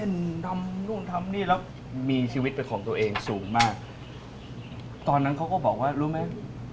ทำนู่นทำนี่แล้วมีชีวิตเป็นของตัวเองสูงมากตอนนั้นเขาก็บอกว่ารู้ไหม